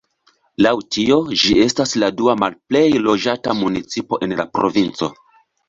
Laŭ tio ĝi estas la dua malplej loĝata municipo en la provinco.